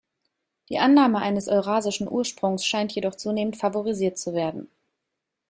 Die Annahme eines eurasischen Ursprungs scheint jedoch zunehmend favorisiert zu werden.